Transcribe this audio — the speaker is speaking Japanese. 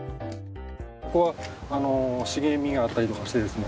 ここは茂みがあったりとかしてですね